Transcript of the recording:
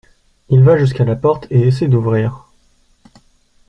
Il va jusqu’à la porte et essaie d’ouvrir.